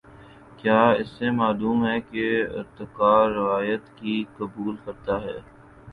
کیا اسے معلوم ہے کہ ارتقا روایت کو قبول کرتا ہے۔